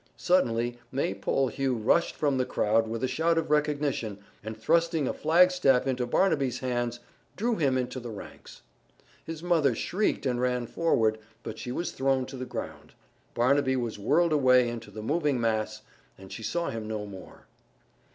Suddenly Maypole Hugh rushed from the crowd with a shout of recognition, and, thrusting a flagstaff into Barnaby's hands, drew him into the ranks. His mother shrieked and ran forward, but she was thrown to the ground; Barnaby was whirled away into the moving mass and she saw him no more.